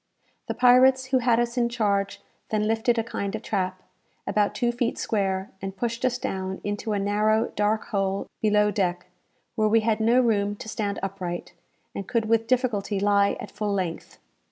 The pirates who had us in charge then lifted a kind of trap, about two feet square, and pushed us down into a narrow dark hole below deck, where we had no room to stand upright, and could with difficulty lie at full length.